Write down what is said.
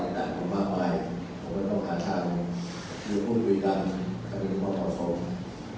ในฐานของมากมายมันก็ต้องหาทางด้วยควบคุยกันด้วยความประสงค์